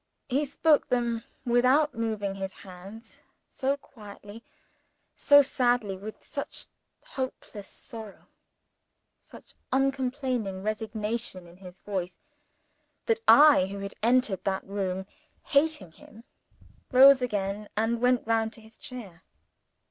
He spoke them without moving his hands; so quietly, so sadly, with such hopeless sorrow, such uncomplaining resignation in his voice, that I, who had entered that room, hating him, rose again, and went round to his chair.